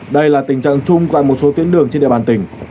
đây là tình trạng chung tại một số tuyến đường trên địa bàn tỉnh